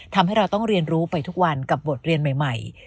ทำให้เราต้องเรียนรู้ไปทุกวันกับบทเรียนใหม่